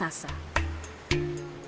jakarta kota megapolitan